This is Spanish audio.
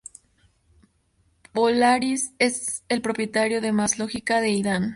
Polaris es el propietario con más lógica de Indian.